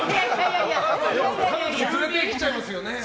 彼女連れてきちゃいますよね。